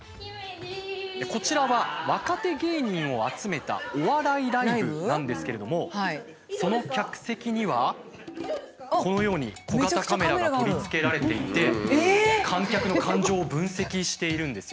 こちらは若手芸人を集めたお笑いライブなんですけれどもその客席にはこのように小型カメラが取り付けられていて観客の感情を分析しているんですよ。